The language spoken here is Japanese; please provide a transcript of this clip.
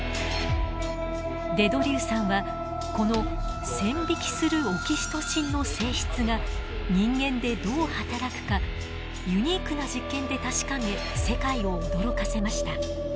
デ・ドリューさんはこの線引きするオキシトシンの性質が人間でどう働くかユニークな実験で確かめ世界を驚かせました。